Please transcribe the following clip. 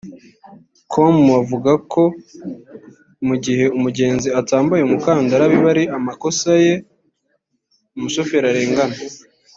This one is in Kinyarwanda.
com bavuga ko mu gihe umugenzi atambaye umukandara biba ari amakosa ye umushoferi arengana